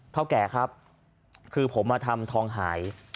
เท่าแก่ครับคือผมมาทำทองหาย